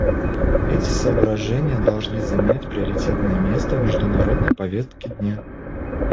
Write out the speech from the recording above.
Эти соображения должны занять приоритетное место в международной повестке дня.